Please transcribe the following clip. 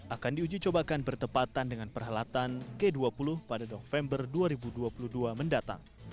akan diuji cobakan bertepatan dengan perhelatan g dua puluh pada november dua ribu dua puluh dua mendatang